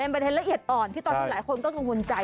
ประเด็นละเอียดอ่อนที่ตอนนี้หลายคนก็กังวลใจ